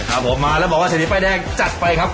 ครับผมมาแล้วบอกว่าเศรษฐีป้ายแดงจัดไปครับ